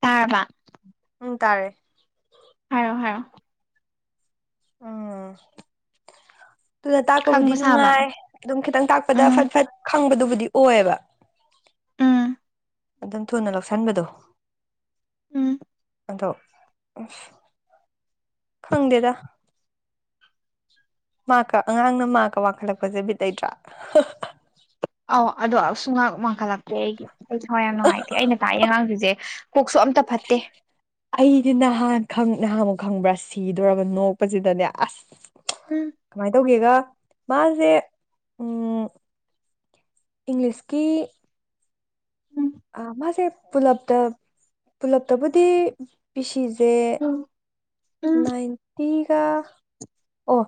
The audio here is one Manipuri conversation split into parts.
ꯇꯥꯔꯕ ꯎꯝ ꯇꯥꯔꯦ ꯍꯥꯏꯔꫭ ꯍꯥꯏꯔꫭ ꯎꯝ ꯑꯗꯨꯗ ꯇꯥꯛꯄꯕꯨꯗꯤ ꯈꯪꯕ ꯁꯥꯕ ꯅꯨꯡꯉꯥꯏ ꯑꯗꯨꯝ ꯈꯤꯇꯪ ꯇꯥꯛꯄꯗ ꯎꯝ ꯐꯠ ꯐꯠ ꯈꯪꯕꯗꯨꯕꯨꯗꯤ ꯑꯣꯏꯌꯦꯕ ꯎꯝ ꯑꯗꯨꯝ ꯊꯨꯅ ꯂꯧꯁꯟꯕꯗꯣ ꯎꯝ ꯑꯗꯣ ꯑꯁ ꯈꯪꯗꯦꯗ ꯃꯥꯀ ꯑꯉꯥꯡꯅ ꯃꯥꯀ ꯋꯥꯡꯈꯠꯂꯛꯄꯁꯦꯕꯤ ꯂꯩꯇ꯭ꯔꯥ ꯑꯧ ꯑꯗꯣ ꯑꯁꯨꯨꯡꯉꯍꯥꯛ ꯋꯥꯡꯈꯠꯂꯛꯇꯦ ꯑꯩꯒꯤ ꯊꯋꯥꯏ ꯌꯥꯝ ꯅꯨꯡꯉꯥꯏꯇꯦ ꯑꯩꯅ ꯇꯥꯛꯑꯦ ꯑꯉꯥꯡꯁꯤꯁꯦ ꯀꯣꯛꯁꯨ ꯑꯝꯇ ꯐꯠꯇꯦ ꯑꯩꯗꯤ ꯅꯍꯥꯟ ꯅꯍꯥꯟꯃꯨꯛ ꯈꯪꯕ꯭ꯔꯥ ꯁꯤꯗꯣꯕ ꯅꯣꯛꯄꯁꯤꯗꯅꯦ ꯑꯁ ꯎꯝ ꯀꯃꯥꯏꯅ ꯇꯧꯒꯦꯒ ꯃꯥꯁꯦ ꯎꯝ ꯏꯪꯂꯤꯁꯀꯤ ꯎꯝ ꯑ ꯃꯥꯁꯦ ꯄꯨꯂꯞꯇ ꯄꯨꯂꯞꯇꯕꯨꯗꯤ ꯄꯤ ꯁꯤꯁꯦ ꯎꯝ ꯎꯝ ꯅꯥꯏꯟ ꯇꯤꯒ ꯑꯣ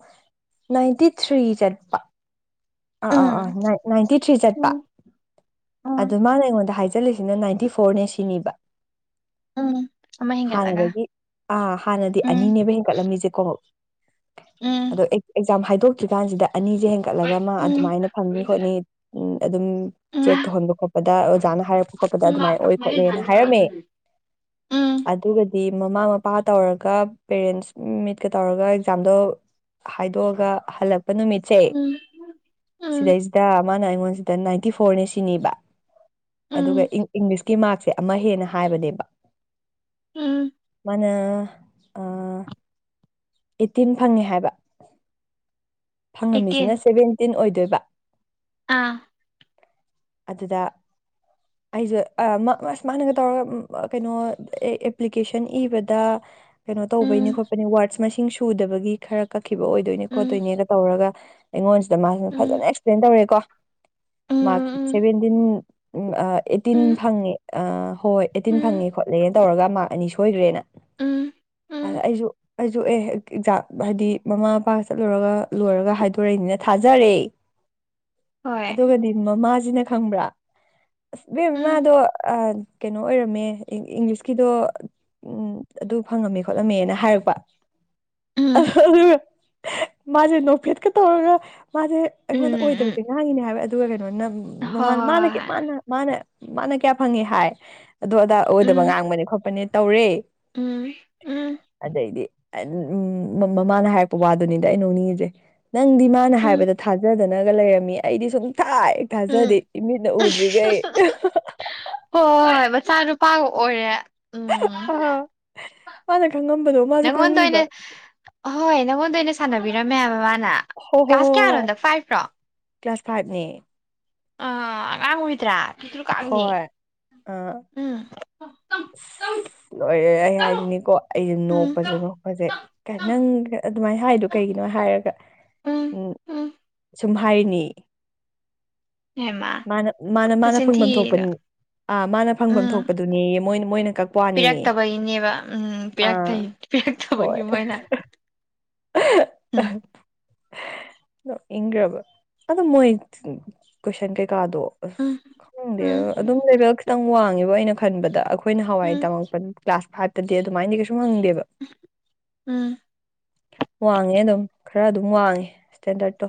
ꯅꯥꯏꯟꯇꯤ ꯊ꯭ꯔꯤ ꯆꯠꯄ ꯑꯥ ꯑꯥ ꯑꯥ ꯎꯝ ꯅꯥꯏꯟꯇꯤ ꯊ꯭ꯔꯤ ꯆꯠꯄ ꯎꯝ ꯎꯝ ꯑꯗ ꯃꯥꯅ ꯑꯩꯉꯣꯟꯗ ꯍꯥꯏꯖꯜꯂꯤꯁꯤꯅ ꯅꯥꯏꯟꯇꯤ ꯐꯣꯔꯅꯦ ꯁꯤꯅꯤꯕ ꯎꯝ ꯑꯃ ꯍꯦꯟꯒꯠꯂꯒ ꯍꯥꯟꯅꯗꯒꯤ ꯑ ꯍꯥꯟꯅꯗꯤ ꯎꯝ ꯑꯅꯤꯅꯦꯕ ꯍꯦꯟꯒꯠꯂꯝꯃꯤꯁꯦꯀꯣ ꯎꯝ ꯑꯗꯣ ꯑꯦꯛꯖꯥꯝ ꯍꯥꯏꯗꯣꯛꯇ꯭ꯔꯤ ꯀꯥꯟꯁꯤꯗ ꯑꯅꯤꯁꯦ ꯍꯦꯟꯒꯠ ꯑꯃ ꯎꯝ ꯑꯗꯨꯃꯥꯏꯅ ꯐꯪꯅꯤ ꯈꯣꯠꯅꯤ ꯎ ꯑꯗꯨꯝ ꯎꯝ ꯆꯦꯛ ꯇꯧꯍꯟꯕ ꯈꯣꯠꯄꯗ ꯑꯣꯖꯥꯅ ꯍꯥꯏꯔꯛꯄ ꯈꯣꯠꯄꯗ ꯎꯝ ꯑꯗꯨꯃꯥꯏꯅ ꯑꯣꯏ ꯈꯣꯠꯂꯦꯅ ꯍꯥꯏꯔꯝꯃꯦ ꯎꯝ ꯑꯗꯨꯒꯗꯤ ꯃꯃꯥ ꯃꯄꯥ ꯇꯧꯔꯒ ꯄꯦꯔꯦꯟꯁ ꯃꯤꯠꯀ ꯇꯧꯔꯒ ꯑꯦꯛꯖꯥꯝꯗꯣ ꯍꯥꯏꯗꯣꯛꯑꯒ ꯍꯜꯂꯛꯄ ꯅꯨꯃꯤꯠꯁꯦ ꯎꯝ ꯎꯝ ꯁꯤꯗꯩꯁꯤꯗ ꯃꯥꯅ ꯑꯩꯉꯣꯟꯁꯤꯗ ꯅꯥꯏꯟꯇꯤ ꯐꯣꯔꯅꯦ ꯁꯤꯅꯤꯕ ꯑꯗꯨꯒ ꯎꯝ ꯏꯪꯂꯤꯁ ꯤ ꯃꯥꯔꯛꯁꯦ ꯑꯃ ꯍꯦꯟꯅ ꯍꯥꯏꯕꯅꯦꯕ ꯎꯝ ꯃꯅ ꯑꯩꯠꯇꯤꯟ ꯐꯪꯉꯦ ꯍꯥꯏꯕ ꯑꯩꯠꯇꯤꯟ ꯐꯪꯉꯝꯃꯤꯁꯤꯅ ꯁꯦꯚꯦꯟꯇꯤꯟ ꯑꯣꯏꯗꯣꯏꯕ ꯑꯥ ꯑꯗꯨꯗ [unintelligible] ꯑꯩꯁꯨꯦ ꯃꯁ ꯃꯥꯅꯒ ꯇꯧꯔꯒ ꯀꯩꯅꯣ ꯑꯦꯄ꯭ꯂꯤꯀꯦꯁꯟ ꯏꯕꯗ ꯀꯩꯅꯣ ꯇꯧꯕꯩꯅꯤ ꯎꯝ ꯈꯣꯠꯄꯅꯤ ꯋꯥꯔꯗꯁ ꯃꯁꯤꯡ ꯁꯨꯗꯕꯒꯤ ꯈꯔ ꯀꯛꯈꯤꯕ ꯑꯣꯏꯗꯣꯏꯅꯦ ꯎꯝ ꯈꯣꯠꯇꯣꯏꯅꯦ ꯇꯧꯔꯒ ꯑꯩꯉꯣꯟꯁꯤꯗ ꯃꯥꯁꯤꯅ ꯎꯝ ꯐꯖꯅ ꯑꯦꯛꯁꯄ꯭ꯂꯦꯟ ꯇꯧꯔꯦꯀꯣ ꯎꯝ ꯎꯝ ꯃꯥꯚꯦꯟꯗꯤ ꯑꯩꯠꯇꯤꯟ ꯎꯝ ꯐꯪꯉꯦ ꯑ ꯍꯣꯏ ꯍꯣꯏ ꯑꯦꯠꯇꯤꯟ ꯎꯝ ꯐꯪꯉꯦ ꯈꯣꯠꯂꯦꯅ ꯇꯧꯔꯒ ꯃꯥꯔꯛ ꯑꯅꯤ ꯁꯣꯏꯈ꯭ꯔꯦꯅ ꯎꯝ ꯑ ꯎꯝ ꯑꯩꯁꯨ ꯑꯩꯁꯨ ꯑꯦ ꯑꯦꯛꯖꯥꯝ ꯍꯥꯏꯗꯤ ꯃꯃꯥ ꯃꯄꯥꯒ ꯆꯠꯂꯨꯔꯒ ꯂꯣꯏꯔꯒ ꯍꯥꯏꯗꯣꯔꯛꯏꯅꯤꯅ ꯊꯥꯖꯔꯦ [unintelligible] ꯑꯗꯨꯒꯗꯤ ꯃꯃꯥꯁꯤꯅ ꯈꯪꯕ꯭ꯔꯥ ꯑꯁ ꯕ ꯎꯝ ꯃꯃꯥꯗꯣ ꯀꯩꯅꯣ ꯑꯣꯏꯔꯝꯃꯦ ꯏꯪꯂꯤꯁꯀꯤꯗꯣ ꯑꯗꯨ ꯐꯪꯉꯝꯃꯦ ꯈꯣꯠꯂꯝꯃꯦꯅ ꯍꯥꯏꯔꯛꯄ ꯎꯝ [unintelligible] ꯃꯥꯁꯦ ꯅꯣꯐꯦꯠꯀ ꯇꯧꯔꯒ ꯃꯥꯁꯦ ꯎꯝ ꯑꯩꯉꯣꯟꯗ ꯎꯝ ꯑꯣꯏꯗꯕꯁꯦ ꯉꯥꯡꯉꯤꯅꯦ ꯍꯥꯏꯕ ꯑꯗꯨꯒ ꯀꯩꯅꯣꯅ ꯃꯥꯅ ꯍꯣꯏ ꯃꯥꯅ ꯃꯥꯅ ꯃꯥꯅ ꯀꯌꯥ ꯐꯪꯉꯤ ꯍꯥꯏ ꯑꯗꯨ ꯑꯗꯥ ꯑꯣꯏꯗꯕ ꯎꯝ ꯉꯥꯡꯕꯅꯦ ꯈꯣꯠꯄꯅꯦ ꯇꯧꯔꯦ ꯎꯝ ꯎꯝ ꯑꯗꯩꯗꯤ ꯃꯃꯥꯅ ꯍꯥꯏꯔꯛꯄ ꯋꯥꯗꯨꯅꯤꯗ ꯑꯩ ꯅꯣꯡꯅꯤꯁꯦ ꯅꯪꯗꯤ ꯃꯥꯅ ꯎꯝ ꯍꯥꯏꯕꯗ ꯊꯥꯖꯗꯅꯒ ꯂꯩꯔꯝꯃꯤ ꯑꯩꯗꯤ ꯁꯨꯝ ꯊꯥꯏ ꯊꯥꯖꯗꯦ ꯎꯝ ꯏꯃꯤꯠꯅ ꯎꯗ꯭ꯔꯤꯈꯩ ꯍꯣꯏ ꯃꯆꯥ ꯅꯨꯄꯥꯒ ꯑꯣꯏꯔꯦ ꯎꯝ ꯑꯥ ꯃꯥꯅ ꯈꯪꯉꯝꯕꯗꯣ ꯃꯥꯁꯨ ꯈꯪꯉꯤꯕ ꯑꯍꯣꯏ ꯅꯉꯣꯟꯗ ꯑꯣꯏꯅ ꯁꯥꯟꯅꯕꯤꯔꯝꯃꯦ ꯍꯥꯏꯕ ꯃꯥꯅ ꯍꯣꯏ ꯍꯣꯏ ꯀ꯭ꯂꯥꯁ ꯍꯣꯏ ꯀꯌꯥꯅꯣ ꯍꯣꯏ ꯑꯗꯣ ꯐꯥꯏꯚ ꯔꯣ ꯀ꯭ꯂꯥꯁ ꯐꯥꯏꯕꯅꯦ ꯑꯥ ꯑꯉꯥꯡ ꯑꯣꯏꯗ꯭ꯔꯥ ꯇꯥꯡꯅꯦ ꯍꯣꯏ ꯑꯥ ꯎꯝ ꯂꯣꯏꯔꯦ ꯑꯩ ꯍꯥꯏꯅꯤꯡꯅꯤꯀꯣ ꯑꯩꯖꯦ ꯎꯝ ꯅꯣꯛꯄꯖꯦꯅꯣ ꯍꯧꯖꯤꯛ ꯅꯪ ꯑꯗꯨꯃꯥꯏꯅ ꯍꯥꯏꯗꯣ ꯀꯩꯒꯤꯅꯣ ꯍꯥꯏꯔꯒ ꯎꯝ ꯁꯨꯝ ꯍꯥꯏꯔꯤꯅꯤ ꯍꯦꯃꯥ ꯃꯥꯅ ꯃꯥꯅ ꯃꯥꯅ ꯃꯆꯤꯟ ꯐꯪꯐꯝ ꯊꯤꯔꯤꯗꯣ ꯊꯣꯛꯄꯅꯤ ꯑꯥ ꯃꯥꯅ ꯐꯪꯐꯝ ꯎꯝ ꯊꯣꯛꯄꯗꯨꯅꯦ ꯃꯣꯏ ꯃꯣꯏꯅ ꯀꯛꯄ ꯋꯥꯅꯤꯌꯦ ꯄꯦꯈꯠꯈꯕꯒꯤ ꯃꯣꯏꯅ ꯎꯝ ꯅꯣꯛꯅꯤꯡꯒ꯭ꯔꯕ ꯑꯗꯨ ꯃꯣꯏ ꯀꯣꯏꯁꯟ ꯀꯩꯀꯥꯗꯣ ꯑꯁ ꯎꯝ ꯈꯪꯗꯦ ꯎꯝ ꯑꯗꯨꯝ ꯂꯦꯕꯦꯜ ꯈꯤꯇꯪ ꯋꯥꯡꯉꯦꯕ ꯑꯩꯅ ꯈꯟꯕꯗ ꯑꯩꯈꯣꯏꯅ ꯍꯋꯥꯏ ꯎꯝ ꯇꯝꯃꯛꯄ ꯀ꯭ꯂꯥꯁ ꯐꯥꯏꯚꯇꯗꯤ ꯑꯗꯨꯃꯥꯏꯅꯗꯤ ꯀꯩꯁꯨ ꯍꯪꯗꯦꯕ ꯎꯝ ꯋꯥꯡꯉꯦ ꯑꯗꯨꯝ ꯈꯔ ꯑꯗꯨꯝ ꯋꯥꯡꯉꯦ ꯁꯇꯦꯟꯗꯔꯠꯇꯣ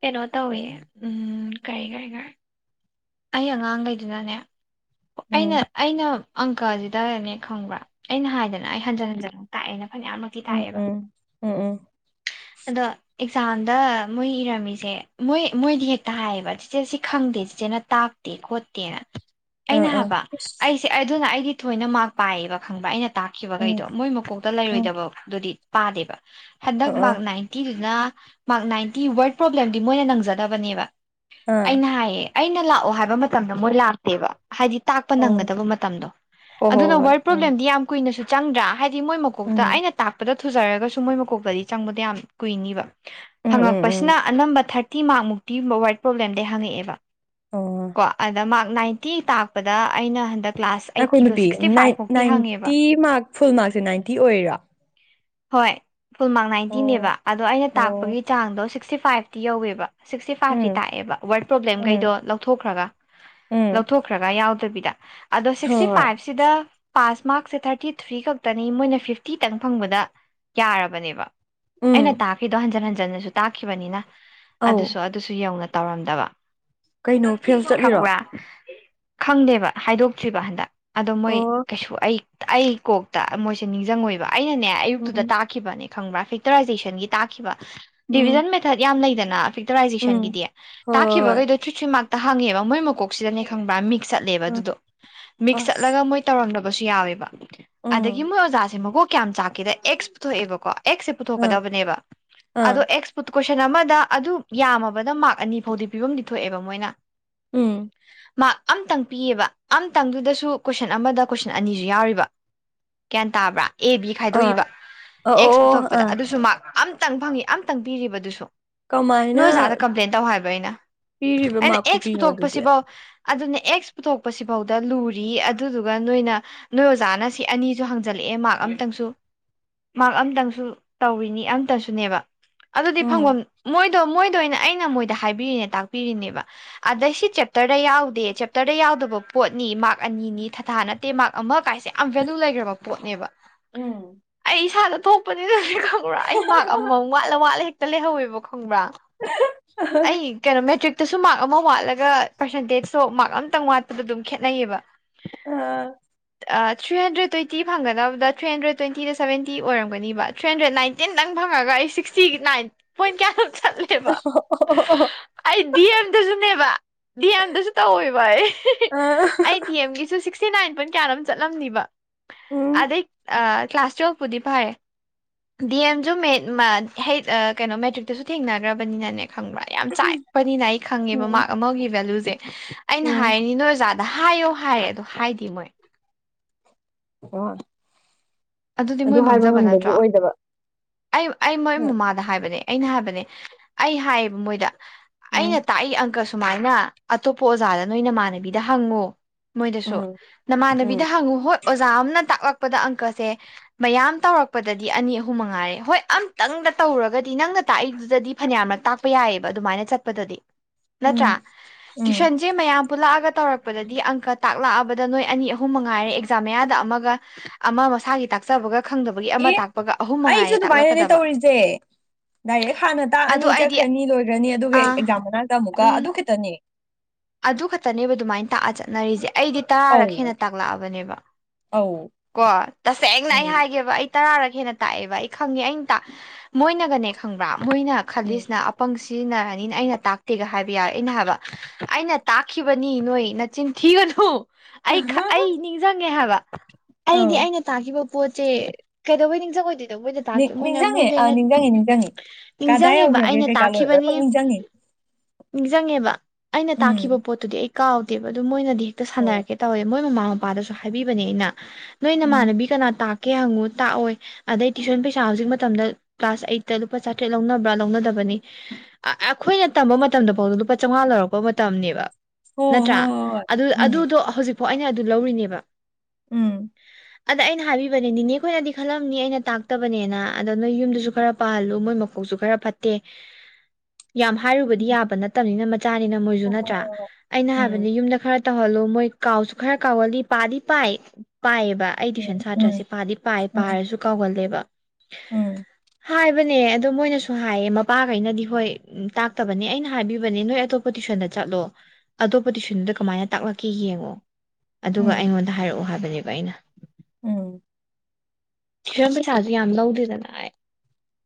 ꯀꯩꯅꯣ ꯇꯧꯏ ꯎꯝ ꯀꯔꯤ ꯀꯔꯤ ꯀꯩ ꯑꯩ ꯑꯉꯥꯡꯈꯩꯗꯨꯅꯅꯦ ꯎꯝ ꯑꯩꯅ ꯑꯩꯅ ꯑꯪꯀꯁꯤꯗꯅꯦ ꯈꯪꯕ꯭ꯔꯥ ꯑꯩꯅ ꯍꯥꯏꯗꯅ ꯑꯩ ꯍꯟꯖꯟ ꯍꯟꯖꯟ ꯇꯥꯛꯑꯦꯅ ꯐꯅꯌꯥꯝꯃꯛꯇꯤ ꯎꯝ ꯇꯥꯛꯑꯦꯕ ꯎꯝ ꯎꯝ ꯎꯝ ꯑꯗꯣ ꯑꯦꯛꯖꯥꯝꯗ ꯃꯣꯏ ꯏꯔꯝꯃꯤꯁꯦ ꯃꯣꯏ ꯃꯣꯏꯗꯤ ꯍꯦꯛꯇ ꯍꯥꯏꯌꯦꯕ ꯆꯤꯆꯦ ꯁꯤ ꯈꯪꯗꯦ ꯆꯤꯆꯦ ꯅ ꯇꯥꯛꯇꯦ ꯈꯣꯠꯇꯦꯅ ꯑꯥ ꯑꯩꯅ ꯑꯥ ꯍꯥꯏꯕ ꯏꯁ ꯑꯩꯁꯦ ꯁꯤ ꯑꯗꯨꯅ ꯑꯩꯗꯤ ꯊꯣꯏꯅ ꯃꯥꯔ ꯄꯥꯏꯌꯦꯕ ꯈꯪꯕ ꯑꯩꯅ ꯎꯝ ꯇꯥꯛꯈꯤꯕꯈꯩꯗꯣ ꯃꯣꯏ ꯃꯀꯣꯛ ꯇ ꯎꯝ ꯂꯩꯔꯣꯏꯗꯕꯗꯨꯗꯤ ꯄꯥꯗꯦꯕ ꯑ ꯍꯟꯗꯛ ꯑꯥ ꯃꯥꯔꯛ ꯅꯥꯏꯟꯇꯤꯗꯨꯅ ꯃꯥꯔꯛ ꯅꯥꯏꯟꯇꯤ ꯋꯥꯔꯗ ꯄ꯭ꯔꯣꯕ꯭ꯂꯦꯝꯗꯤ ꯃꯣꯏꯅ ꯅꯪꯖꯗꯕꯅꯦꯕ ꯑꯥ ꯑꯩꯅ ꯍꯥꯏꯌꯦ ꯑꯩꯅ ꯂꯥꯛ ꯑꯣ ꯍꯥꯏꯕ ꯃꯇꯝꯗ ꯃꯣꯏ ꯂꯥꯛꯇꯦꯕ ꯍꯥꯏꯗꯤ ꯇꯥꯛꯄ ꯑꯣ ꯅꯪꯒꯗꯕ ꯃꯇꯝꯗꯣ ꯍꯣ ꯍꯣ ꯑꯗꯨꯅ ꯍꯣꯏ ꯋꯥ ꯎꯝ ꯄ꯭ꯔꯣꯕ꯭ꯂꯦꯝꯗꯤ ꯌꯥꯝ ꯀꯨꯏꯅꯁꯨ ꯆꯪꯗ꯭ꯔꯥ ꯍꯥꯏꯗꯤ ꯃꯣꯏ ꯃꯀꯣꯛꯇ ꯎꯝ ꯑꯩꯅ ꯇꯥꯛꯄꯗ ꯊꯨꯖꯔꯒꯁꯨ ꯃꯣꯏ ꯃꯀꯣꯛꯇꯗꯤ ꯆꯪꯕꯗ ꯌꯥꯝ ꯀꯨꯏꯅꯤꯕ ꯎꯝ ꯎꯝ ꯍꯪꯉꯛꯄꯁꯤꯅ ꯎꯝ ꯑꯅꯝꯕ ꯊꯥꯔꯇꯤ ꯃꯥꯔꯛ ꯃꯨꯛꯇꯤꯒꯨꯝꯕ ꯋꯥꯔꯠ ꯄ꯭ꯔꯣꯕ꯭ꯂꯦꯝꯗꯩ ꯍꯪꯉꯛꯑꯦꯕ ꯑꯣ ꯀꯣ ꯑꯗ ꯃꯥꯔꯛ ꯅꯥꯏꯟꯇꯤ ꯇꯥꯛꯄꯗ ꯑꯩꯅ ꯍꯟꯗꯛ ꯀ꯭ꯂꯥꯁ ꯑꯩꯈꯣꯏ ꯑꯩꯠꯀꯤꯗꯣ ꯅꯨꯄꯤ ꯁꯤꯛꯁꯇꯤ ꯅꯥꯏꯟ ꯐꯥꯏꯚꯃꯨꯛꯇꯤ ꯍꯪꯉꯦꯕ ꯅꯥꯏꯟꯇꯤ ꯃꯥꯔꯛ ꯐꯨꯜ ꯃꯥꯔꯛꯁꯦ ꯅꯥꯏꯟꯇꯤ ꯑꯣꯏꯔꯤꯔꯣ ꯍꯣꯏ ꯐꯨꯜꯃꯥꯛ ꯅꯥꯏꯟꯇꯤꯅꯦꯕ ꯑꯣ ꯑꯗꯣ ꯑꯩꯅ ꯑꯣ ꯇꯥꯛꯄꯒꯤ ꯆꯥꯡꯗꯣ ꯁꯤꯛꯁꯇꯤ ꯐꯥꯏꯚꯇꯤ ꯌꯧꯋꯦꯕ ꯁꯤꯛꯁꯇꯤ ꯐꯥꯏꯚꯇꯤ ꯎꯝ ꯇꯥꯛꯑꯦꯕ ꯋꯥꯔꯗ ꯄ꯭ꯔꯣꯕ꯭ꯂꯦꯝ ꯀꯩꯗꯣ ꯎꯝ ꯂꯧ ꯊꯣꯛꯈ꯭ꯔꯒ ꯎꯝ ꯂꯧꯊꯣꯛꯈ꯭ꯔꯒ ꯌꯥꯎꯗꯕꯤꯗ ꯑꯗꯣ ꯍꯣꯏ ꯁꯤꯛꯁꯇꯤ ꯍꯣꯏ ꯐꯥꯏꯚꯁꯤꯗ ꯄꯥꯁ ꯃꯥꯔꯛꯁꯦ ꯊꯥꯔꯇꯤ ꯊ꯭ꯔꯤ ꯈꯛꯇꯅꯤ ꯃꯣꯏꯅ ꯐꯤꯐꯇꯤꯇꯪ ꯐꯪꯕꯗ ꯌꯥꯔꯕꯅꯦꯕ ꯑꯩꯅ ꯎꯝ ꯇꯥꯛꯈꯤꯗꯣ ꯍꯟꯖꯤꯟ ꯍꯟꯖꯤꯟꯅꯁꯨ ꯇꯥꯛꯈꯤꯕꯅꯤꯅ ꯑꯧ ꯑꯗꯨꯁꯨ ꯑꯗꯨꯁꯨ ꯌꯧꯅ ꯇꯧꯔꯝꯗꯕ ꯀꯩꯅꯣ ꯐꯦꯜ ꯆꯠꯂꯤꯔꯣ ꯈꯪꯕ꯭ꯔꯥ ꯈꯪꯗꯦꯕ ꯍꯥꯏꯗꯣꯛꯇ꯭ꯔꯤꯕ ꯍꯟꯗꯛ ꯑꯗꯣ ꯃꯣꯏ ꯑꯣ ꯀꯩꯁꯨ ꯑꯩ ꯑꯩ ꯀꯣꯛꯇ ꯃꯣꯏꯁꯦ ꯅꯤꯡꯁꯤꯡꯉꯣꯏꯕ ꯑꯩꯅꯅꯦ ꯑꯌꯨꯛꯇꯨꯗ ꯎꯝ ꯇꯥꯛ ꯅꯦ ꯈꯪꯕ꯭ꯔꯥ ꯐꯦꯛꯇꯔꯥꯏꯦꯁꯟꯒꯤ ꯇꯈꯤꯕ ꯎꯝ ꯗꯤꯕꯤꯖꯟ ꯃꯦꯊꯠ ꯌꯥꯝ ꯂꯩꯗꯅ ꯎꯝ ꯐꯦꯛꯇꯣꯔꯥꯏꯖꯦꯁꯟꯒꯤꯗꯤ ꯍꯣꯏ ꯍꯣꯏ ꯇꯥꯛꯈꯤꯕꯈꯩꯗꯣ ꯊ꯭ꯔꯤ ꯊ꯭ꯔꯤ ꯃꯥꯔꯛꯇ ꯍꯪꯉꯦꯕ ꯃꯣꯏ ꯃꯀꯣꯛꯁꯤꯗꯅꯦ ꯈꯪꯕ꯭ꯔꯥ ꯃꯤꯛꯁ ꯆꯠꯂꯦꯕ ꯍꯣꯏ ꯑꯗꯨꯗꯣ ꯃꯤꯛꯁ ꯑꯁ ꯆꯠꯂꯒ ꯃꯣꯏ ꯇꯧꯔꯝꯗꯕꯁꯨ ꯌꯥꯎꯋꯦꯕ ꯑꯗꯒꯤ ꯎꯝ ꯃꯣꯏ ꯑꯣꯖꯥꯁꯦ ꯃꯒꯣꯛ ꯀꯌꯥꯝ ꯆꯥꯛꯀꯦꯗ ꯑꯦꯛꯁ ꯄꯨꯊꯣꯛꯑꯦꯕꯀꯣ ꯑꯦꯛꯁꯦ ꯑꯥ ꯄꯨꯊꯣꯛꯀꯗꯕꯅꯦꯕ ꯑꯗꯣ ꯑꯥ ꯑꯦꯁ ꯀꯣꯏꯁꯟ ꯑꯃꯗ ꯑꯗꯨ ꯌꯥꯝꯃꯕꯗ ꯃꯥꯔꯛ ꯑꯅꯤ ꯐꯥꯎꯗꯤ ꯄꯤꯐꯝꯗꯤ ꯊꯣꯛꯑꯦꯕ ꯃꯣꯏꯅ ꯎꯝ [inaudible] ꯃꯥꯔꯛ ꯑꯃꯇꯪ ꯄꯤꯌꯦꯕ ꯑꯃꯇꯪꯗꯨꯗꯁꯨ ꯀꯣꯏꯁꯟ ꯑꯃꯗ ꯀꯣꯏꯁꯟ ꯑꯅꯤꯁꯨ ꯌꯥꯎꯔꯤꯕ ꯒ꯭ꯌꯥꯟ ꯇꯥꯕ꯭ꯔꯥ ꯑꯦ ꯕꯤ ꯑꯥ ꯈꯥꯏꯗꯣꯛꯏꯕ ꯑ ꯑꯦꯛꯁ ꯑꯣ ꯄꯨꯊꯣꯛꯄꯗ ꯑꯥ ꯑꯗꯨꯁꯨ ꯃꯥꯔꯛ ꯑꯝꯇꯪ ꯐꯪꯉꯤ ꯑꯃꯇꯪ ꯄꯤꯔꯤꯕ ꯑꯗꯨꯁꯨ ꯀꯃꯥꯏꯅ ꯅꯣꯏ ꯑꯣꯖꯥꯗ ꯀꯝꯄ꯭ꯂꯦꯟ ꯇꯧ ꯍꯥꯏꯕ ꯑꯩꯅ ꯄꯤꯔꯤꯕ ꯑꯩꯅ ꯃꯥꯛ ꯑꯦꯛꯁ ꯈꯨꯄꯤꯅꯣ ꯑꯗꯨꯗꯤ ꯄꯨꯊꯣꯛꯄꯁꯤꯐꯧ ꯑꯗꯨꯅ ꯑꯦꯛꯁ ꯄꯨꯊꯣꯛꯄꯁꯤꯐꯥꯎꯗ ꯂꯨꯔꯤ ꯑꯗꯨꯗꯨꯒ ꯅꯣꯏꯅ ꯅꯣꯏ ꯑꯣꯖꯥꯅ ꯁꯤ ꯑꯅꯤꯁꯨ ꯍꯥꯡꯖꯜꯂꯛꯑꯦ ꯃꯥꯔꯛ ꯑꯃꯇꯪꯁꯨ ꯃꯥꯔꯛ ꯑꯝꯇꯪꯁꯨ ꯇꯧꯔꯤꯅꯤ ꯑꯃꯇꯁꯨꯅꯦꯕ ꯑꯗꯨꯗꯤ ꯐꯪꯐꯝ ꯎꯝ ꯃꯣꯏꯗꯣ ꯃꯣꯏꯗ ꯑꯣꯏꯅ ꯑꯩꯅ ꯃꯣꯏꯗ ꯍꯥꯏꯕꯤꯔꯤꯅꯦ ꯇꯥꯛꯄꯤꯔꯤꯅꯦꯕ ꯑꯗꯩꯁꯤ ꯆꯦꯞꯇꯔꯗ ꯌꯥꯎꯗꯦ ꯆꯦꯞꯇꯔꯗ ꯌꯥꯎꯗꯕ ꯄꯣꯠꯅꯤ ꯃꯥꯔꯛ ꯑꯅꯤꯅꯤ ꯊꯥꯊꯥ ꯅꯠꯇꯦ ꯃꯥꯔꯛ ꯑꯃꯀꯥꯏ ꯌꯥꯝ ꯚꯦꯂꯨ ꯂꯩꯈ꯭ꯔꯕ ꯄꯣꯠꯅꯦꯕ ꯎꯝ ꯑꯩ ꯏꯁꯥꯗ ꯊꯣꯛꯄꯅꯤꯅ ꯄꯨꯔꯥ ꯑꯩꯃꯥꯔꯛ ꯑꯃꯝꯃꯝ ꯋꯥꯠꯂꯦ ꯋꯥꯠꯂꯦ ꯍꯦꯛꯇ ꯂꯩꯍꯧꯋꯦꯕ ꯈꯪꯕ꯭ꯔꯥ ꯑꯩ ꯀꯩꯅꯣ ꯃꯦꯇ꯭ꯔꯤꯛꯇꯁꯨ ꯃꯥꯔꯛ ꯑꯃ ꯋꯥꯠꯂꯒ ꯄꯥꯔꯁꯦꯟꯇꯦꯖꯇꯣ ꯃꯥꯔꯛ ꯑꯃꯇꯪ ꯋꯥꯠꯄꯗ ꯑꯗꯨꯝ ꯈꯦꯠꯅꯩꯌꯦꯕ ꯑꯥ ꯑ ꯊ꯭ꯔꯤꯍꯟꯗ꯭ꯔꯦꯠ ꯇ꯭ꯋꯦꯟꯇꯤ ꯐꯪꯗ ꯊ꯭ꯔꯤꯍꯟꯗ꯭ꯔꯦ ꯇ꯭ꯋꯦꯟꯇꯤꯗ ꯁꯕꯦꯟꯇꯤ ꯑꯣꯏꯔꯝꯒꯕ ꯊ꯭ꯔꯤꯍꯟꯗ꯭ꯔꯦꯠ ꯅꯥꯏꯟꯇꯤꯟ ꯅꯪ ꯐꯪꯉꯒ ꯑꯩ ꯁꯤꯛꯁ ꯇꯤꯅꯥꯏꯟ ꯄꯣꯏꯟ ꯀꯌꯥ ꯑꯗꯨꯝ ꯆꯠꯂꯦꯕ ꯑꯣ ꯑꯩ ꯗꯤꯑꯦꯝꯗꯁꯨꯅꯦꯕ ꯗꯤꯑꯦꯝꯗꯁꯨ ꯇꯧꯋꯦꯕ ꯑꯩ ꯑꯩ ꯗꯤꯑꯦꯝꯒꯤꯁꯨ ꯁꯤꯛꯁꯇꯤꯅꯥꯏꯟ ꯄꯣꯏꯟ ꯀꯌꯥꯅꯣꯝ ꯆꯠꯂꯝꯅꯤꯕ ꯎꯝ ꯑꯗꯩ ꯑ ꯀ꯭ꯂꯥꯁ ꯇ꯭ꯋꯦꯜꯚꯕꯨꯗꯤ ꯐꯌꯦ ꯗꯤꯑꯦꯝꯁꯨ ꯃꯦꯠꯃꯠ ꯍꯦ ꯀꯩꯅꯣꯝ ꯃꯦꯇ꯭ꯔꯤꯛꯇꯁꯨ ꯊꯦꯡꯅꯈ꯭ꯔꯕꯅꯤꯅꯅꯦ ꯈꯪꯕ꯭ꯔꯥ ꯌꯥꯝ ꯆꯥꯛꯑꯦ ꯑꯩꯈꯣꯏꯅꯤꯅ ꯑꯩꯈꯪꯉꯦꯕ ꯎꯝ ꯃꯥꯔꯛꯁꯦ ꯑꯃꯒꯤ ꯚꯦꯂꯨꯁꯦ ꯑꯩꯅ ꯎꯝ ꯍꯥꯏꯔꯅꯤ ꯅꯣꯏ ꯑꯣꯖꯥꯗ ꯍꯥꯏꯌꯣ ꯍꯥꯏꯔꯦ ꯑꯗꯣ ꯍꯥꯏꯗꯦ ꯃꯣꯏ ꯑꯣ ꯑꯗꯨꯗꯤ ꯃꯣꯏ ꯑꯗꯨ ꯍꯥꯏꯕ ꯃꯥꯡꯖꯕ ꯉꯝꯕꯁꯨ ꯅꯠꯇ꯭ꯔꯣ ꯑꯣꯏꯗꯕ ꯑꯩ ꯑꯩ ꯃꯣꯏ ꯃꯃꯥꯗ ꯍꯥꯏꯕꯅꯦ ꯑꯩꯅ ꯍꯥꯏꯕꯅꯦ ꯑꯩ ꯍꯥꯏꯌꯦꯕ ꯃꯣꯏꯗ ꯑꯩꯅ ꯎꯝ ꯇꯥꯛꯏ ꯑꯪꯀ ꯁꯨꯃꯥꯏꯅ ꯑꯇꯣꯞꯄ ꯑꯣꯖꯥꯗ ꯅꯣꯏ ꯅꯃꯥꯟꯅꯕꯤꯗ ꯍꯪꯉꯨ ꯃꯣꯏꯗꯁꯨ ꯎꯝ ꯅꯃꯥꯟꯅꯕꯤꯗ ꯎꯝ ꯍꯪꯉꯨ ꯍꯣꯏ ꯑꯣꯖꯥ ꯑꯝꯅ ꯇꯥꯛꯂꯛꯄꯗ ꯑꯪꯀꯁꯦ ꯃꯌꯥꯝ ꯇꯧꯔꯛꯄꯗꯗꯤ ꯑꯅꯤ ꯑꯍꯨꯝ ꯃꯉꯥꯔꯦ ꯍꯣꯏ ꯑꯝꯇꯪꯒ ꯇꯧꯔꯒꯗꯤ ꯅꯪꯅ ꯇꯥꯛꯏꯗꯨꯗꯗꯤ ꯐꯅꯌꯥꯝꯔꯛ ꯇꯥꯛꯄ ꯌꯥꯏꯑꯕ ꯑꯗꯨꯃꯥꯏꯅ ꯆꯠꯄꯗꯗꯤ ꯅꯠꯇ꯭ꯔꯥ ꯎꯝ ꯎꯝ ꯇ꯭ꯨꯁꯟ ꯁꯦ ꯃꯌꯥꯝ ꯄꯨꯜꯂꯛꯑꯒ ꯇꯧꯔꯛꯄꯗꯗꯤ ꯑꯪꯀ ꯇꯥꯛꯂꯛꯑꯕꯗ ꯅꯣꯏ ꯑꯅꯤ ꯑꯍꯨꯝ ꯃꯉꯥꯏꯔꯦ ꯑꯦꯛꯖꯥꯝ ꯃꯌꯥꯗ ꯑꯃꯒ ꯑꯃ ꯃꯁꯥꯒꯤ ꯇꯥꯛꯆꯕꯒ ꯈꯪꯗꯕ ꯑꯦ ꯑꯩꯁꯨ ꯑꯗꯨꯃꯥꯏꯅꯅꯦ ꯇꯧꯔꯤꯁꯦ ꯗꯥꯏꯔꯦꯛ ꯍꯥꯟꯅ ꯇꯥꯛꯑꯅꯤ ꯑꯗꯣ ꯑꯩꯗꯤ ꯆꯠꯈ꯭ꯔꯅꯤ ꯂꯣꯏꯈ꯭ꯔꯅꯤ ꯑꯗꯨꯒ ꯑꯥ ꯑꯦꯛꯖꯥꯝ ꯃꯅꯥꯛꯇ ꯑꯃꯨꯛꯀ ꯑꯗꯨ ꯎꯝ ꯈꯤꯇꯅꯦ ꯑꯗꯨ ꯈꯛꯇꯅꯦꯕ ꯑꯗꯨꯃꯥꯏꯅ ꯇꯥꯛꯑꯒ ꯆꯠꯅꯔꯤꯁꯦ ꯑꯩꯗꯤ ꯇꯔꯥꯔꯒ ꯍꯦꯟꯅ ꯑꯧ ꯑꯧ ꯇꯥꯛꯂꯛꯑꯕꯅꯦꯕꯀꯣ ꯇꯁꯦꯡꯅ ꯑꯩ ꯎꯝ ꯍꯥꯏꯒꯦꯕ ꯑꯩ ꯇꯔꯥꯔꯒ ꯍꯦꯟꯅ ꯇꯥꯛꯑꯦꯕ ꯑꯩ ꯈꯪꯉꯦ ꯑꯩꯅ ꯇ ꯃꯣꯏꯅꯒꯅꯦ ꯈꯪꯕ꯭ꯔꯥ ꯃꯣꯏꯅ ꯎꯝ ꯈꯜꯂꯤꯁꯤꯅ ꯑꯄꯪꯁꯤ ꯁꯤꯖꯤꯟꯅꯔꯅꯤꯅ ꯑꯩꯅ ꯇꯥꯛꯇꯦꯒ ꯍꯥꯏꯕ ꯌꯥꯔꯦ ꯑꯩꯅ ꯍꯥꯏꯕ ꯑꯩꯅ ꯇꯥꯛꯈꯤꯕꯅꯤ ꯅꯣꯏ ꯅꯆꯤꯟ ꯊꯤꯒꯅꯨ ꯑꯩ ꯑꯩ ꯅꯤꯡꯁꯤꯡꯉꯦ ꯍꯥꯏꯕ ꯑꯩꯗꯤ ꯑꯧ ꯑꯩꯅ ꯇꯥꯈꯤꯕ ꯄꯣꯠꯁꯦ ꯀꯩꯗꯧꯕꯩ ꯅꯤꯡꯁꯤꯡꯉꯣꯏꯗꯣꯏꯅꯣ ꯃꯣꯏꯗ ꯇꯥꯛ ꯅꯤꯡ ꯃꯣꯏꯅ ꯅꯤꯡꯁꯤꯡꯉꯦ ꯃꯣꯏꯗ ꯑ ꯑꯩꯅ ꯅꯤꯡꯁꯤꯡꯉꯦ ꯅꯤꯡꯁꯤꯡꯉꯦ ꯀꯗꯥꯏ ꯅꯤꯡꯁꯤꯡꯉꯦꯕ ꯌꯧꯈ꯭ꯔꯒꯦ ꯑꯩꯅ ꯀꯩꯀꯥ ꯂꯣꯏ ꯇꯥꯛꯈꯤꯕꯅꯤ ꯂꯣꯏꯅꯃꯛ ꯅꯤꯡꯁꯤꯡꯉꯦ ꯅꯤꯡꯁꯤꯡꯉꯦꯕ ꯑꯩꯅ ꯇꯥꯛꯈꯤꯕ ꯎꯝ ꯄꯣꯠꯇꯨꯗꯤ ꯑꯩ ꯀꯥꯎꯗꯦꯕ ꯑꯗꯨ ꯃꯣꯏꯅꯗꯤ ꯍꯦꯛꯇ ꯍꯣꯏ ꯁꯥꯟꯅꯔꯛꯀꯦ ꯇꯧꯋꯦ ꯃꯣꯏ ꯃꯃꯥ ꯃꯄꯥꯗꯁꯨ ꯍꯥꯏꯕꯤꯕꯅꯦ ꯑꯩꯅ ꯅꯣꯏ ꯎꯝ ꯅꯃꯥꯟꯅꯕꯤ ꯀꯅꯥ ꯇꯥꯛꯀꯦ ꯍꯪꯉꯨ ꯇꯥꯛꯑꯣꯏ ꯑꯗꯩ ꯇ꯭ꯨꯁꯟ ꯄꯩꯁꯥꯁꯦ ꯃꯇꯝꯗ ꯀ꯭ꯂꯥꯁ ꯑꯩꯠꯇ ꯂꯨꯄꯥ ꯆꯥꯇ꯭ꯔꯦꯠ ꯂꯧꯅꯕ꯭ꯔꯥ ꯂꯧꯅꯗꯕꯅꯤ ꯑꯩꯈꯣꯏꯅ ꯇꯝꯕ ꯃꯇꯝꯗ ꯐꯥꯎꯗ ꯂꯨꯄꯥ ꯆꯥꯝꯃꯉꯥ ꯂꯧꯔꯛꯄ ꯃꯇꯝꯅꯦꯕ ꯍꯣ ꯅꯠꯇ꯭ꯔꯥ ꯍꯣ ꯍꯣꯏ ꯑꯗꯨ ꯎꯝ ꯑꯗꯨꯗꯣ ꯍꯧꯖꯤꯛꯐꯥꯎ ꯑꯩꯅ ꯑꯗꯨ ꯂꯧꯔꯤꯅꯦꯕ ꯎꯝ ꯑꯗ ꯑꯩꯅꯍꯥꯏꯔꯤꯕꯅꯦ ꯅꯦꯅꯦ ꯈꯣꯏꯅꯗꯤ ꯈꯜꯂꯝꯅꯤ ꯑꯩꯅ ꯇꯥꯛꯇꯕꯅꯦꯅ ꯑꯗꯣ ꯅꯣꯏ ꯌꯨꯝꯗꯁꯨ ꯈꯔ ꯄꯥꯍꯜꯂꯨ ꯃꯣꯏ ꯃꯈꯣꯛꯁꯨ ꯈꯔ ꯄꯠꯇꯦ ꯌꯥꯝ ꯍꯥꯏꯔꯨꯕꯗꯤ ꯌꯥꯕ ꯅꯠꯇꯕꯅꯤꯅ ꯃꯆꯥꯅꯤꯅ ꯃꯣꯏꯁꯨ ꯅꯠꯇ꯭ꯔꯥ ꯑꯩꯅ ꯎꯝ ꯍꯥꯏꯕꯗꯤ ꯌꯨꯝꯗ ꯈꯔ ꯇꯍꯜꯂꯣ ꯃꯣꯏ ꯀꯥꯎꯁꯨ ꯈꯔ ꯀꯋꯂꯤ ꯄꯥꯗꯤ ꯄꯥꯏ ꯄꯥꯏꯕ ꯑꯩ ꯇ꯭ꯋꯏꯁꯟ ꯎꯝ ꯁꯥꯇ꯭ꯔꯁꯦ ꯄꯗꯤ ꯄꯥꯏ ꯎꯝ ꯄꯥꯔꯁꯨ ꯀꯥꯎꯒꯜꯂꯦꯕ ꯎꯝ ꯍꯥꯏꯕꯅꯦ ꯑꯗꯣ ꯃꯣꯏꯅꯁꯨ ꯍꯥꯏꯌꯦ ꯃꯄꯥꯈꯩꯅꯗꯤ ꯍꯣꯏ ꯇꯥꯛꯇꯕꯅꯦ ꯑꯩꯅ ꯍꯥꯏꯕꯤꯕꯅꯦ ꯅꯣꯏ ꯑꯇꯣꯞꯄ ꯣ ꯇꯁꯟꯗ ꯆꯠꯂꯣ ꯑꯇꯣꯞꯄ ꯇꯨꯏꯁꯟꯗꯨꯗ ꯀꯃꯥꯏꯅ ꯇꯥꯛꯂꯛꯀꯦ ꯌꯦꯡꯉꯣ ꯑꯗꯨꯒ ꯎꯝ ꯑꯩꯉꯣꯟꯗ ꯍꯥꯏꯔꯛꯑꯣ ꯍꯥꯏꯕꯅꯦꯕ ꯑꯩꯅ ꯎꯝ ꯇꯨꯁꯟ ꯄꯩꯁꯥꯥꯁ ꯌꯥꯝ ꯂꯧꯗꯦꯗꯅ ꯑꯩ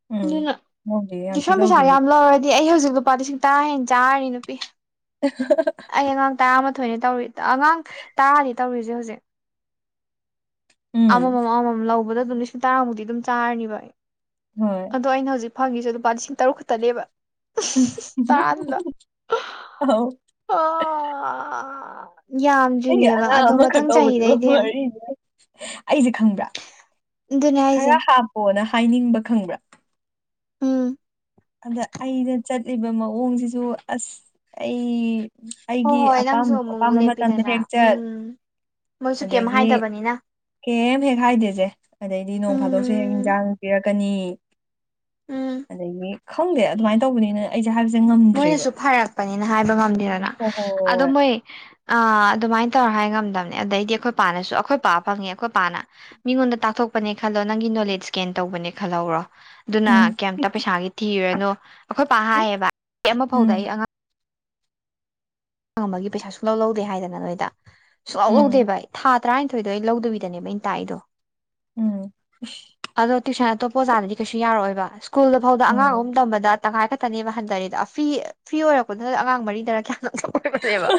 ꯎꯝ ꯑꯗꯨꯅ ꯂꯧꯗꯦꯍꯦ ꯌꯥꯝ ꯊꯤ ꯇꯨꯏꯁꯟ ꯄꯩꯁꯥ ꯂꯧꯗꯦꯍꯦ ꯌꯥꯝ ꯂꯧꯔ ꯁꯤ ꯑꯩ ꯍꯧꯖꯤꯛ ꯅꯨꯨꯄꯥꯗꯤ ꯁꯛꯇꯥ ꯍꯦꯟꯅ ꯆꯥꯔꯅꯤ ꯅꯨꯄꯤ [unintelligible] ꯑꯩ ꯑꯉꯥꯡ ꯇꯔꯥꯃꯥꯊꯣꯏꯅꯤ ꯇꯧꯔꯤ ꯑꯉꯥꯡ ꯇꯔꯥꯗꯤ ꯇꯧꯔꯤꯁꯦ ꯍꯧꯖꯤꯛ ꯎꯝ ꯑꯃꯃꯝ ꯑꯃꯃꯝ ꯂꯧꯕꯗ ꯑꯗꯨꯝ ꯂꯤꯁꯤꯡ ꯇꯔꯥꯃꯨꯛꯇꯤ ꯑꯗꯨꯝ ꯆꯥꯔꯅꯤꯕ ꯑꯩ ꯍꯣꯏ ꯑꯗꯣ ꯑꯩꯅ ꯍꯧꯖꯤꯛ ꯐꯪꯉꯤꯁꯁꯦ ꯂꯨꯄꯥ ꯂꯤꯁꯤꯡ ꯇꯔꯨꯛ ꯈꯛꯇꯅꯦꯕ ꯍꯥꯎ ꯑꯣ ꯑꯩ ꯑꯉꯥꯡ ꯑꯃꯈꯛ ꯇꯧꯕꯗꯨ ꯋꯥꯔꯤꯅꯦ ꯑꯩꯁꯦ ꯈꯪꯕ꯭ꯔꯥ ꯑꯗꯨꯅꯦ ꯍꯥꯏꯁꯦ ꯈꯔ ꯍꯥꯞꯄꯣꯅ ꯍꯥꯏꯅꯤꯡꯕ ꯈꯪꯕ꯭ꯔꯥ ꯎꯝ ꯑꯗ ꯑꯩꯗ ꯆꯠꯂꯤꯕ ꯃꯑꯣꯡꯁꯤꯁꯨ ꯑꯁ ꯑꯩ ꯍꯣꯏ ꯑꯩꯒꯤ ꯍꯣꯏ ꯑꯄꯥ ꯅꯪꯁꯨ ꯑꯃꯨꯛꯃꯨꯛ ꯑꯄꯥꯝꯕ ꯃꯇꯝꯗ ꯂꯦꯞꯄꯤꯗꯅ ꯍꯦꯛ ꯆꯠ ꯎꯝ ꯃꯣꯏꯁꯨ ꯀꯩꯝ ꯑꯗꯒꯤ ꯍꯥꯏꯗꯕꯅꯤꯅ ꯀꯩꯝ ꯍꯦꯛ ꯍꯥꯏꯗꯦꯁꯦ ꯑꯗꯩꯗꯤ ꯅꯣꯡ ꯐꯥꯗꯣꯛꯁꯨ ꯍꯦꯛ ꯎꯝ ꯌꯦꯟꯁꯥꯡ ꯄꯤꯔꯛꯀꯅꯤ ꯎꯝ ꯑꯗꯒꯤ ꯈꯪꯗꯦ ꯑꯗꯨꯃꯥꯏꯅ ꯇꯧꯕꯅꯤꯅ ꯑꯩꯁꯦ ꯍꯥꯏꯕꯁꯦ ꯉꯝ ꯃꯣꯏꯅꯁꯨ ꯐꯔꯛꯄꯅꯤꯅ ꯍꯥꯏꯕ ꯉꯝꯗꯦꯗꯅ ꯍꯣꯏ ꯑꯗꯨ ꯍꯣꯏ ꯃꯣꯏ ꯑ ꯑꯗꯨꯃꯥꯏꯅ ꯇꯧꯔ ꯍꯥꯏ ꯉꯝꯗꯕꯅꯦ ꯑꯗꯩꯗꯤ ꯑꯩꯈꯣꯏ ꯄꯥꯅꯁꯨ ꯑꯩꯈꯣꯏ ꯄꯥ ꯐꯪꯉꯦ ꯑꯩꯈꯣꯏ ꯄꯥꯅ ꯃꯤꯉꯣꯟꯗ ꯇꯥꯛꯊꯣꯛꯄꯅꯦ ꯈꯜꯂꯣ ꯅꯪꯒꯤ ꯅꯣꯂꯦꯖ ꯒꯦꯟ ꯇꯧꯕꯅꯦ ꯈꯜꯍꯧꯔꯣ ꯑꯗꯨꯅ ꯎꯝ ꯀꯩꯝꯇ ꯄꯩꯁꯥꯒꯤ ꯊꯤꯔꯅꯨ ꯑꯩꯈꯣꯏ ꯄꯥ ꯍꯥꯏꯌꯦꯕ ꯑꯩ ꯑꯃ ꯐꯥꯎꯗ ꯑꯩ ꯎꯝ ꯑꯉꯥꯡ ꯍꯥꯡ ꯑꯃꯒꯤꯒꯤ ꯄꯩꯁꯥ ꯁꯨꯡꯂ ꯂꯧꯗꯦ ꯍꯥꯏꯗꯅ ꯅꯣꯏꯗ ꯁꯨꯡꯂ ꯂꯧ ꯎꯝ ꯂꯧꯗꯦꯕ ꯑꯩ ꯊꯥ ꯇꯔꯥꯅꯤꯊꯣꯏꯗꯣ ꯑꯩ ꯂꯧꯗꯕꯤꯗꯅꯦꯕ ꯑꯩꯅ ꯇꯥꯛꯏꯗꯣ ꯎꯝ ꯑꯗꯣ ꯇ꯭ꯋꯏꯁꯟ ꯑꯇꯣꯞꯄ ꯑꯣꯖꯥꯅꯗꯤ ꯀꯩꯁꯨ ꯌꯥꯔꯛꯑꯣꯕ ꯁ꯭ꯀꯨꯜꯗ ꯐꯥꯎꯗ ꯑꯉꯥꯡ ꯑꯍꯨꯝ ꯎꯝ ꯇꯝꯕꯗ ꯇꯪꯈꯥꯏ ꯈꯛꯇꯅꯦꯕ ꯍꯟꯊꯔꯦꯗ ꯐꯤ ꯐ꯭ꯔꯤ ꯑꯣꯏꯔꯛꯄꯗꯨꯅ ꯑꯉꯥꯡ ꯃꯔꯤꯗꯔ ꯀꯌꯥꯝ ꯑꯣꯏꯅꯦꯕ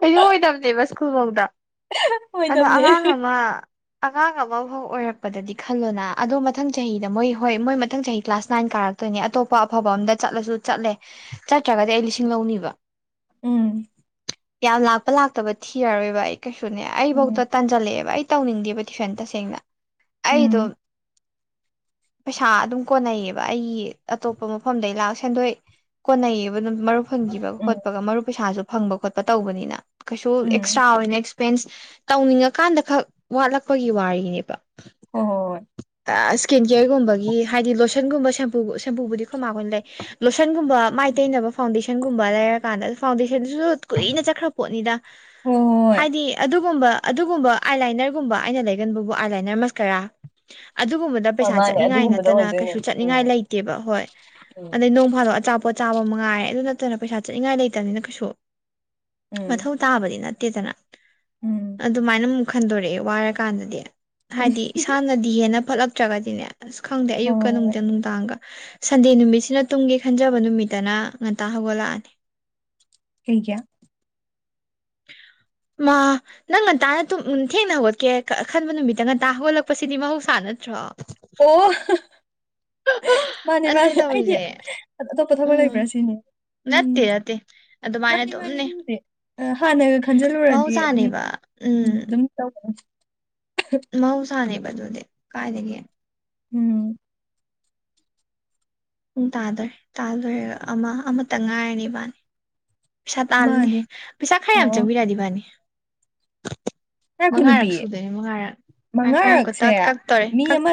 ꯀꯩꯩꯅꯣ ꯑꯣꯏꯗꯕꯅꯦꯦꯕ ꯁ꯭ꯀꯨꯜꯐꯧꯗ ꯑꯗꯣ ꯑꯣꯏꯗꯕꯅꯦ ꯑꯉꯥꯡ ꯑꯃ ꯑꯉꯥꯡ ꯑꯃꯐꯥꯎ ꯑꯣꯏꯔꯛꯄꯗꯗꯤ ꯈꯜꯂꯣꯅ ꯑꯗꯣ ꯃꯊꯪ ꯆꯍꯤꯗ ꯃꯣꯏ ꯍꯣꯏ ꯃꯣꯏ ꯃꯊꯪ ꯆꯍꯤ ꯀ꯭ꯂꯥꯁ ꯅꯥꯏꯟ ꯀꯥꯔꯛ ꯑꯗꯨꯅꯦ ꯑꯇꯣꯞꯄ ꯑꯐꯕ ꯑꯝꯗ ꯆꯠꯂꯁꯨ ꯆꯠꯂꯦ ꯆꯠꯇ꯭ꯔꯒꯗꯤ ꯑꯩ ꯂꯤꯁꯤꯡ ꯂꯧꯅꯤꯕ ꯎꯝ ꯌꯥꯝ ꯂꯥꯛꯄ ꯂꯥꯛꯇꯕ ꯊꯤꯔꯔꯣꯏꯕ ꯑꯩ ꯀꯩꯁꯨꯅꯦ ꯎꯝ ꯑꯩꯐꯧꯗ ꯇꯥꯟꯖꯜꯂꯛꯑꯦꯕ ꯑꯩ ꯇꯧꯅꯤꯡꯗꯦꯕ ꯇꯨꯋꯏꯁꯟ ꯇꯁꯦꯡꯅ ꯑꯩꯗꯣ ꯎꯝ ꯄꯩꯁꯥ ꯑꯗꯨꯝ ꯀꯣꯟꯅꯩꯌꯦꯕ ꯑꯩꯒꯤ ꯑꯇꯣꯞꯄ ꯃꯐꯝꯗꯩ ꯂꯥꯛ ꯁꯦꯟꯗꯣꯏ ꯀꯣꯟꯅꯩꯌꯦꯕ ꯑꯗꯨꯝ ꯃꯔꯨꯞ ꯐꯪꯈꯤꯕ ꯎꯝ ꯈꯣꯠꯄꯒ ꯃꯔꯨ ꯄꯩꯁꯥꯁꯨ ꯐꯪꯕ ꯈꯣꯠꯄ ꯇꯧꯕꯅꯤꯅ ꯀꯩꯁꯨ ꯎꯝ ꯑꯦꯛꯁꯇ꯭ꯔꯥ ꯑꯣꯏꯅ ꯐꯦꯟꯁ ꯇꯧꯅꯤꯡꯉꯀꯥꯟꯗ ꯈꯛ ꯋꯥꯠꯂꯛꯄꯒꯤ ꯋꯥꯔꯤꯅꯦꯕ ꯍꯣꯏ ꯍꯣꯏ ꯏꯁꯀꯤꯟ ꯀꯦꯌꯔꯒꯨꯝꯕꯒꯤ ꯍꯥꯏꯗꯤ ꯂꯣꯁꯟꯒꯨꯝꯕꯨ ꯁꯦꯝꯄꯨꯕꯨꯗꯤ ꯈꯃꯥꯡꯈ ꯑꯣꯏꯅ ꯂꯩ ꯂꯣꯁꯟꯒꯨꯝꯕ ꯃꯥꯏ ꯇꯩꯅꯕ ꯐꯥꯎꯟꯗꯦꯁꯟꯒꯨꯝꯕ ꯂꯩꯔꯀꯥꯟꯗ ꯐꯥꯎꯟꯗꯦꯁꯟꯗꯨꯁꯨ ꯀꯨꯏꯅ ꯆꯠꯈ꯭ꯔ ꯄꯣꯠꯅꯤꯗ ꯍꯣꯏ ꯍꯣꯏ ꯍꯣꯏ ꯍꯥꯏꯗꯤ [unintelligible] ꯄꯩꯁꯥ ꯍꯣꯏ ꯃꯥꯅꯦ ꯆꯠꯅꯤꯡꯉꯥꯏ ꯑꯗꯨꯒꯨꯝꯕꯗ ꯅꯠꯇꯅ ꯑꯣꯏꯗꯣꯏꯅꯦ ꯀꯩꯁꯨ ꯎꯝ ꯆꯠꯅꯤꯡꯉꯥꯏ ꯂꯩꯇꯦꯕ ꯍꯣꯏ ꯎꯝ ꯑꯗꯩ ꯅꯣꯡ ꯐꯥꯗꯣꯛ ꯑꯆꯥꯄꯣꯠ ꯆꯥꯕ ꯃꯉꯥꯏ ꯑꯗꯨ ꯅꯠꯇꯅ ꯄꯩꯁꯥ ꯆꯠꯅꯤꯡꯉꯥꯏ ꯂꯩꯇꯕꯅꯤꯅ ꯀꯩꯁꯨ ꯎꯝ ꯃꯊꯧ ꯇꯥꯕꯗꯤ ꯅꯠꯇꯦꯗꯅ ꯎꯝ ꯑꯗꯨꯃꯥꯏꯅ ꯑꯃꯨꯛ ꯈꯟꯗꯣꯔꯛꯑꯦ ꯋꯥꯔ ꯀꯥꯟꯗꯗꯤ ꯍꯥꯏꯗꯤ ꯏꯁꯥꯅꯗꯤ ꯍꯦꯟꯅ ꯐꯠꯂꯛꯇ꯭ꯔꯒꯗꯤꯅꯦ ꯑꯁ ꯈꯪꯗꯦ ꯍꯣꯏ ꯍꯣꯏ ꯑꯌꯨꯛꯀ ꯍꯣꯏ ꯅꯨꯡꯗ ꯅꯨꯡꯗꯥꯡꯒ ꯁꯟꯗꯦ ꯅꯨꯃꯤꯠꯁꯤꯅ ꯇꯨꯡꯒꯤ ꯈꯟꯖꯕ ꯅꯨꯃꯤꯠꯇꯅ ꯉꯟꯇ ꯍꯧꯒꯠꯂꯛꯑꯅꯤ ꯍꯦꯡ ꯀꯌꯥ ꯃꯥ ꯅꯪ ꯉꯟꯇꯥꯅ ꯊꯦꯡꯅ ꯍꯧꯒꯠꯀꯦ ꯑ ꯈꯟꯕ ꯅꯨꯃꯤꯠꯇ ꯉꯟꯇꯥ ꯍꯧꯒꯠꯂꯛꯄꯁꯤꯗꯤ ꯃꯍꯧꯁꯥ ꯅꯠꯇ꯭ꯔꯣ ꯑꯣ ꯃꯥꯅꯦ ꯑꯗꯨꯅꯦ ꯃꯥꯅꯦ ꯑꯩꯗꯤ ꯇꯧꯔꯤꯁꯦ ꯑꯇꯣꯞꯄ ꯊꯕꯛ ꯎꯝ ꯂꯩꯕ꯭ꯔꯥ ꯁꯤꯅꯤ ꯎꯝ ꯅꯠꯇꯦ ꯅꯠꯇꯦ ꯑꯗꯨꯃꯥꯏꯅ ꯃꯥꯅꯦ ꯃꯥꯅꯦ ꯑꯗꯨꯝꯅꯦ ꯑꯗꯨꯕꯨꯗꯤ ꯍꯥꯟꯅꯒ ꯈꯟꯖꯤꯜꯂꯨꯔꯗꯤ ꯑꯗꯨꯝ ꯎꯝ ꯑꯗꯨꯝ ꯇꯧ ꯃꯍꯧꯁꯥꯅꯦꯕ ꯑꯗꯨꯗꯤ ꯀꯥꯏꯗꯒꯤꯦ ꯎꯝ ꯄꯨꯡ ꯇꯥꯗꯣꯏꯔꯦ ꯇꯥꯗꯔꯒ ꯑꯃ ꯑꯃꯇ ꯉꯥꯏꯔꯅꯤ ꯏꯕꯥꯅꯤ ꯄꯩꯁꯥ ꯇꯥꯜꯂꯅꯤ ꯃꯥꯅꯦ ꯄꯩꯁꯥ ꯈꯔ ꯑꯣ ꯌꯥꯝ ꯑꯣ ꯆꯪꯕꯤꯔꯗꯤ ꯕꯥꯅꯤ ꯉꯥꯏꯈꯣ ꯃꯉꯥꯔꯛ ꯅꯨꯄꯤ ꯁꯨꯗꯣꯏꯅꯦ ꯃꯉꯥꯔꯛ ꯉ ꯀꯇꯥ ꯃꯉꯥꯔꯛꯁꯦ ꯀꯛꯇꯣꯔꯦ ꯃꯤ ꯀꯛ ꯑꯃ